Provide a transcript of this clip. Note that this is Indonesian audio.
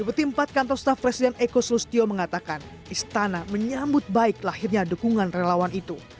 deputi empat kantor staf presiden eko sustio mengatakan istana menyambut baik lahirnya dukungan relawan itu